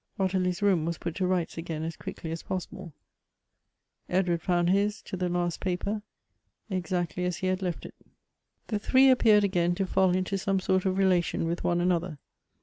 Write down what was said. Ot tilie's room was put to rights again as quickly as possi ble ; Edward found his, to the last paper, exactly as he had left it. The three appeared again to fall into some sort of rela tion with one another.